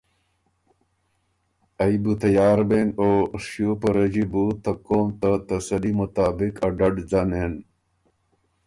ائ بُو تیار بېن او شیو په رݫي بُو ته قوم ته تسلي مطابق ا ډډ ځنېن۔